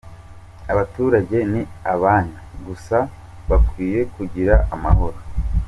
Abaturage ni abanyu gusa bakwiye kugira amahoro.